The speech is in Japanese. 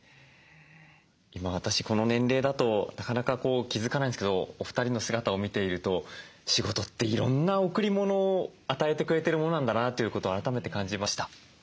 今私この年齢だとなかなか気付かないんですけどお二人の姿を見ていると仕事っていろんな贈り物を与えてくれてるものなんだなということを改めて感じました。